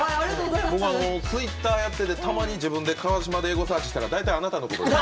僕、ツイッターをやっていてたまに自分で川島でエゴサーチしたら大体あなたのことです。